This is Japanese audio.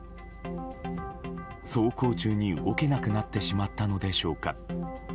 走行中に動けなくなってしまったのでしょうか。